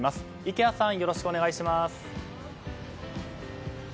池谷さん、よろしくお願いします。